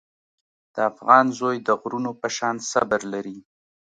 د افغان زوی د غرونو په شان صبر لري.